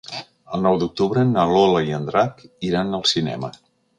El nou d'octubre na Lola i en Drac iran al cinema.